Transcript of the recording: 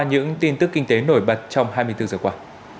những tin tức kinh tế nổi bật trong hai mươi bốn giờ qua